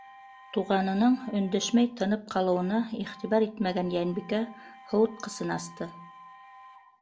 Туғанының өндәшмәй, тынып ҡалыуына иғтибар итмәгән Йәнбикә һыуытҡысын асты.